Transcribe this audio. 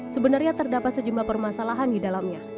sebenarnya terdapat sejumlah permasalahan di dalamnya